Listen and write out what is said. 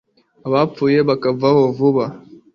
abapfuye bakavaho vuba